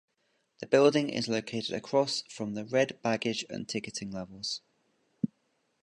The building is located across from the Red Baggage and Ticketing levels.